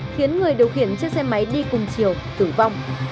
khiến người điều khiển chiếc xe máy đi cùng chiều tử vong